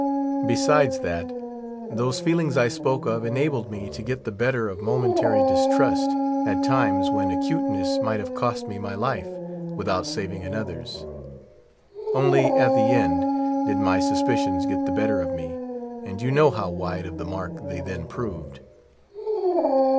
Besides, those feelings I spoke of enabled me to get the better of momentary distrust, at times when acuteness might have cost me my life, without saving another's. Only at the end did my suspicions get the better of me, and you know how wide of the mark they then proved."